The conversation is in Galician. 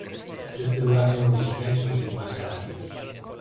Deste lugar son orixinais os irmáns Sarabia.